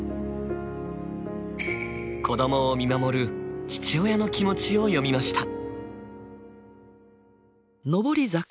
子どもを見守る父親の気持ちを詠みました。